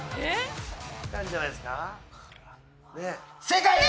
きたんじゃないっすか？